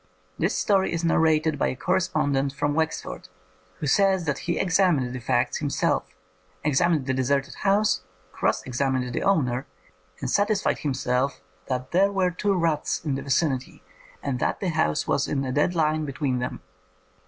This story is narrated by a correspondent from Wexford, who says that he examined the facts himself, examined the deserted house, cross examined the owner, and satisfied himself that there were two raths in the vicinity, and that the house was in a dead line between them.